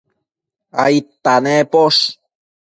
aidta nemposh?